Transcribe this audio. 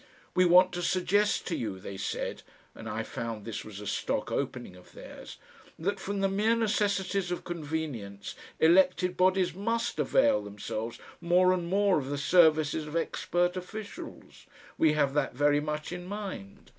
"We want to suggest to you," they said and I found this was a stock opening of theirs "that from the mere necessities of convenience elected bodies MUST avail themselves more and more of the services of expert officials. We have that very much in mind.